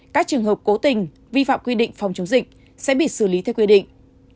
các trường hợp cố tình vi phạm quy định phòng chống dịch sẽ bị xử lý theo quy định